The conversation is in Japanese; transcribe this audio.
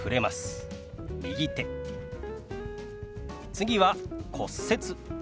次は「骨折」。